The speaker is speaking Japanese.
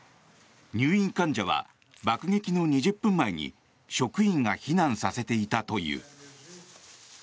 入院患者は爆撃の２０分前に職員が避難させていたという。